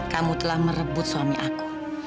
kamu telah merebut suami aku